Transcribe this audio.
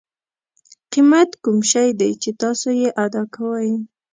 قیمت کوم شی دی چې تاسو یې ادا کوئ.